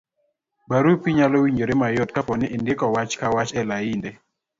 barupi nyalo winjore mayot kapo ni indiko wach ka wach e lainde